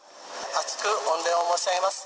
厚く御礼を申し上げます。